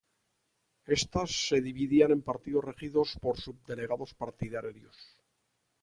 Estas se dividían en partidos regidos por subdelegados partidarios.